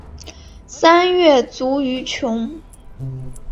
三月卒于琼。